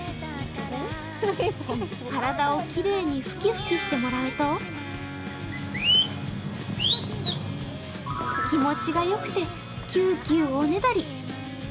体をきれいにふきふきしてもらうと気持ちがよくてキューキューおねだり。